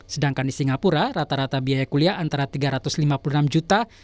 sedangkan di singapura rata rata biaya kuliah antara rp tiga ratus lima puluh enam juta